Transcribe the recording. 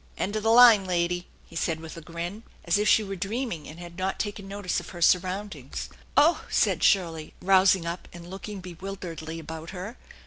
"End of the line, lady," he said with a grin, as if she were dreaming and had not taken notice of her surroundings. s< Oh/ 7 said Shirley, rousing up, and looking bewilderedly about her.